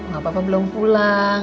gak apa apa belum pulang